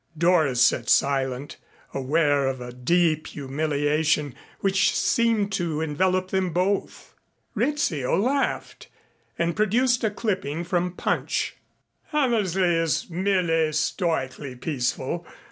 Doris sat silent, aware of a deep humiliation which seemed to envelop them both. Rizzio laughed and produced a clipping from Punch. "Hammersley is merely stoically peaceful.